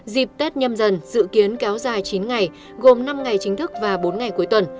dịp tết nhâm dần dự kiến kéo dài chín ngày gồm năm ngày chính thức và bốn ngày cuối tuần